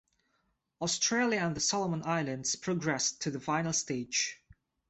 Australia and the Solomon Islands progressed to the final stage.